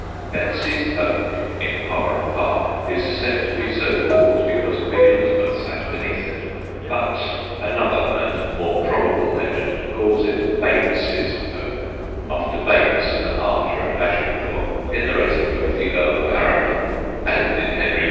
Betsy's Oak in Parham Park is said to be so called because Queen Elizabeth sat beneath it. But another and more probable legend calls it Bates's Oak, after Bates, an archer at Agincourt in the retinue of the Earl of Arundel (and in _Henry V.